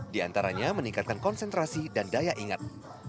di antaranya meningkatkan konsentrasi dan daya ingat